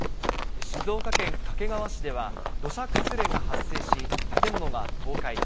静岡県掛川市では土砂崩れが発生し、建物が倒壊。